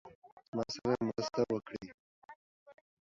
زموږ سره مرسته وکړی.